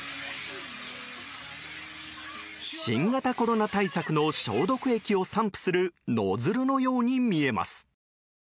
新型コロナ対策の消毒液を散布するノズルのように見えます。